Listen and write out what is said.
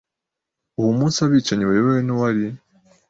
uwo munsi Abicanyi bayobowe n uwari